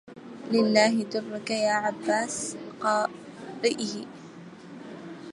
لله درك يا عباس قارئة